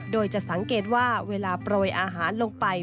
โดยจะสังเกตว่าเวลาโปรยอาหารลงไป